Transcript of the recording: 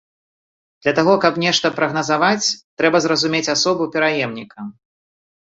Для таго, каб нешта прагназаваць, трэба зразумець асобу пераемніка.